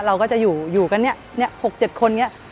เราก็จะอยู่กัน๖๗คนอย่างนี้